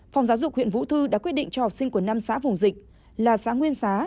phòng giáo dục huyện vũ thư đã quyết định cho học sinh của năm xã vùng dịch là xã nguyên xá